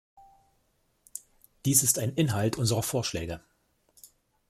Dies ist ein Inhalt unserer Vorschläge.